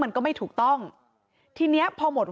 และมีการเก็บเงินรายเดือนจริง